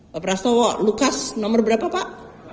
pak prastowo lukas nomor berapa pak